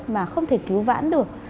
mà không thể cứu vãn được